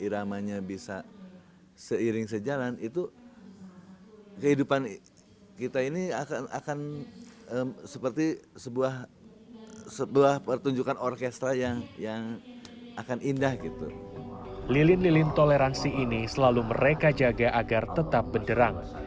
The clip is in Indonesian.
sampai jumpa di video selanjutnya